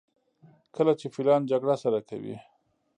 کله چې فیلان جګړه سره کوي.